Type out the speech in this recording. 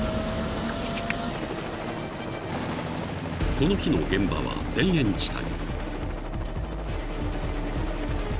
［この日の現場は田園地帯］